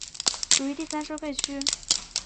属于第三收费区。